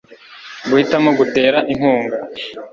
guhitamo gutera inkunga